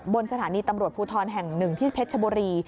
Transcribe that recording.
บนสถานีตำรวจภูทรแห่งหนึ่งที่เพชรชบุรี